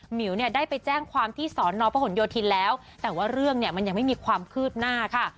หมิวเนี่ยได้ไปแจ้งความที่สอนอพหนโยธินแล้วแต่ว่าเรื่องเนี่ยมันยังไม่มีความคืบหน้าค่ะ